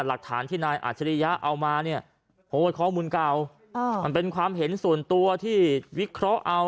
หลักฐานที่นายอาจริยะเอามาเนี่ยโพสต์ข้อมูลเก่ามันเป็นความเห็นส่วนตัวที่วิเคราะห์เอา